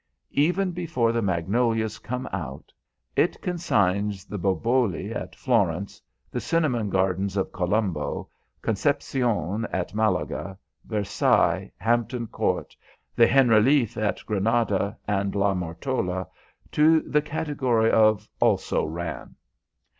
Even before the magnolias come out, it consigns the Boboli at Florence, the Cinnamon Gardens of Colombo, Concepcion at Malaga, Versailles, Hampton Court, the Generaliffe at Granada, and La Mortola to the category of "also ran."